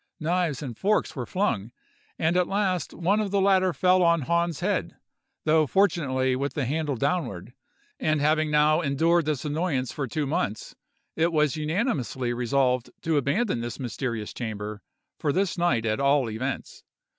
Knives and forks were flung, and at last one of the latter fell on Hahn's head, though fortunately with the handle downward: and having now endured this annoyance for two months, it was unanimously resolved to abandon this mysterious chamber, for this night at all events.